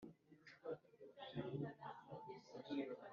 Rwabigugu rwa Kanyaruguru ni Rwirabura-banze